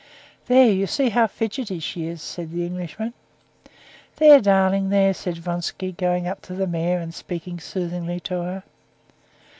"There, you see how fidgety she is," said the Englishman. "There, darling! There!" said Vronsky, going up to the mare and speaking soothingly to her.